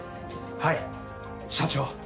はい社長。